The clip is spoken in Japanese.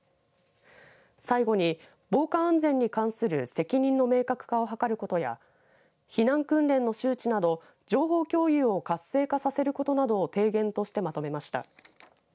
最後に防火安全に関する責任の明確化を図ることや避難訓練の周知など情報共有を活性化させることなどを提言としてまとめました。